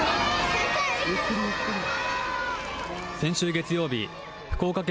先週月曜日、福岡県